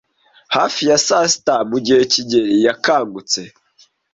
Hafi ya saa sita mugihe kigeli yakangutse.